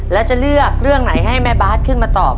แล้วจะเลือกเรื่องไหนให้แม่บาทขึ้นมาตอบ